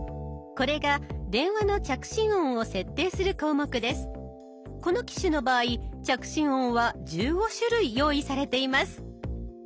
この機種の場合着信音は１５種類用意されています。